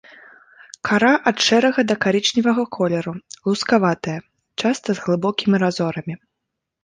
Кара ад шэрага да карычневага колеру, лускаватая, часта з глыбокімі разорамі.